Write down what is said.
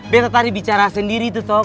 beta tadi bicara sendiri tuh toh